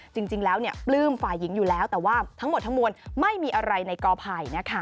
จริงแล้วปลื้มฝ่ายหญิงอยู่แล้วแต่ว่าทั้งหมดทั้งมวลไม่มีอะไรในกอภัยนะคะ